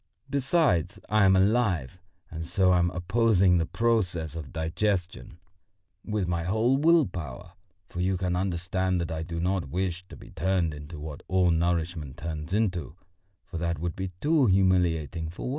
Besides, I am alive, and so am opposing the process of digestion with my whole will power; for you can understand that I do not wish to be turned into what all nourishment turns into, for that would be too humiliating for me.